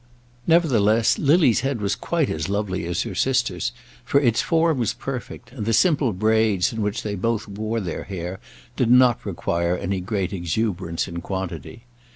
Nevertheless Lily's head was quite as lovely as her sister's; for its form was perfect, and the simple braids in which they both wore their hair did not require any great exuberance in quantity.